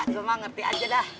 cuma ngerti aja dah